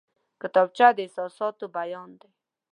کتابچه د احساساتو بیان دی